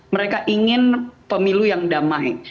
mereka ingin pemilu yang damai